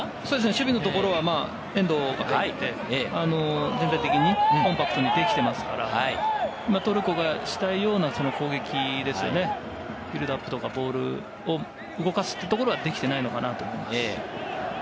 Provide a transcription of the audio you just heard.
守備は遠藤が全体的にコンパクトにできていますから、トルコがしたいような攻撃ですよね、ビルドアップとか、ボールを動かすところはできていないのかなと思います。